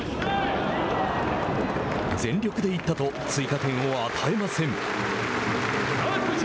全力でいったと追加点を与えません。